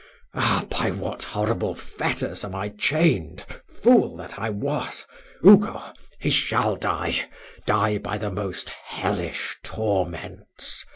Ah! by what horrible fetters am I chained fool that I was Ugo! he shall die die by the most hellish torments.